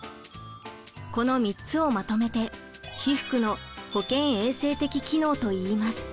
この３つをまとめて被服の保健衛生的機能といいます。